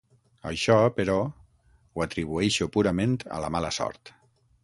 Això, però, ho atribueixo purament a la mala sort.